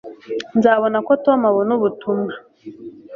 nzabona ko tom abona ubutumwa